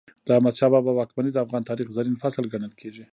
د احمد شاه بابا واکمني د افغان تاریخ زرین فصل ګڼل کېږي.